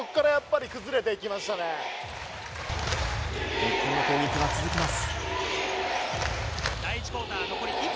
日本の攻撃が続きます。